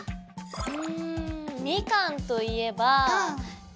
うんみかんといえば愛媛！